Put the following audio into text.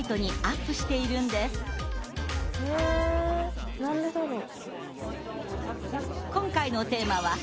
へえ何でだろう？